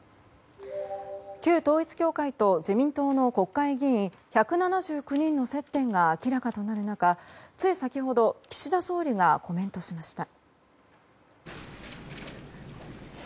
旧統一教会と自民党の国会議員１７９人の接点が明らかとなる中つい先ほど岸田総理がコメントしました。